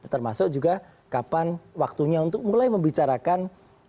termasuk juga kapan waktunya untuk mulai membicarakan